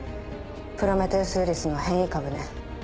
プロメテウス・ウイルスの変異株ね。